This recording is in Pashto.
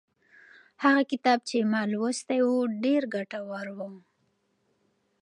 هغه کتاب چې ما لوستی و ډېر ګټور و.